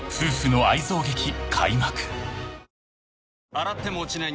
洗っても落ちない